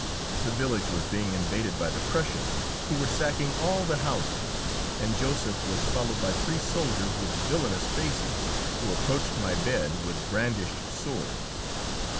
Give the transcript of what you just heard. The village was being invaded by the Prussians, who were sacking all the houses, and Joseph was followed by three soldiers with villainous faces, who approached my bed with brandished swords.